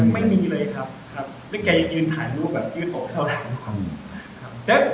ไม่มีเลยครับครับนั่นแกยืนถ่ายภูมิแบบจริงเถอะนะครับ